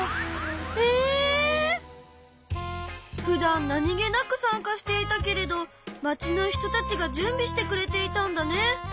ふだん何気なく参加していたけれどまちの人たちが準備してくれていたんだね。